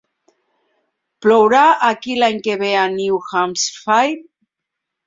Plourà aquí l'any que ve a New Hampshire?